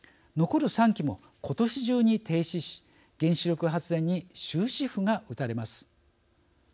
残る３基もことし中に停止し原子力発電に終止符が打たれます。